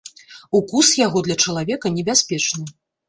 Укус яго для чалавека небяспечны.